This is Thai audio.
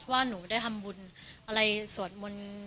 ว่าหนูได้ทำบุญอะไรสวดมนต์